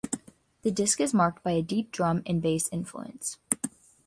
The disc is marked by a deep drum and bass influence.